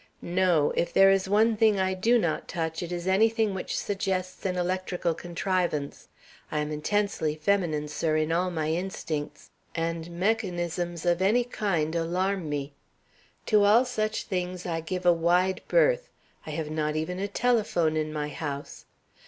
"No; if there is one thing I do not touch, it is anything which suggests an electrical contrivance. I am intensely feminine, sir, in all my instincts, and mechanisms of any kind alarm me. To all such things I give a wide berth. I have not even a telephone in my house.